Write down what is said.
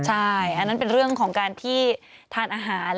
ใช่อันนั้นเป็นเรื่องของการที่ทานอาหาร